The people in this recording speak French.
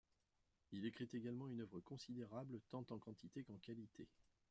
Il écrit également une œuvre considérable tant en quantité qu'en qualité.